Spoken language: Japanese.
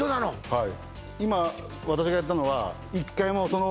はい